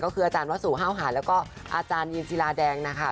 ก็คืออาจารย์วสุห้าวหาแล้วก็อาจารยินศิลาแดงนะคะ